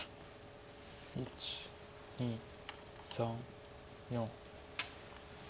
１２３４。